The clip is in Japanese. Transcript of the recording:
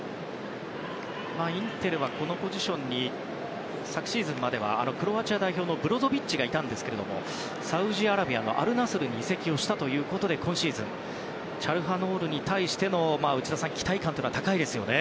インテルはこのポジションに昨シーズンまではクロアチア代表のブロゾビッチがいたんですがサウジアラビアのアルナスルに移籍したということで今シーズンはチャルハノールに対しての期待感というのは高いですよね。